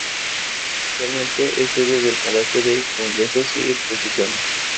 Actualmente es sede del Palacio de Congresos y Exposiciones.